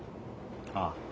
ああ。